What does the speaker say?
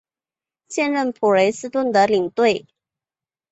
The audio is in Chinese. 现任普雷斯顿的领队。